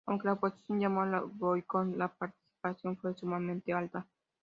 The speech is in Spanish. Aunque la oposición llamó a un boicot, la participación fue sumamente alta.